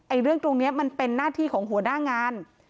เรื่องตรงนี้มันเป็นหน้าที่ของหัวหน้างาน